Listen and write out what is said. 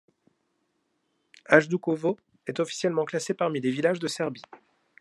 Hajdukovo est officiellement classé parmi les villages de Serbie.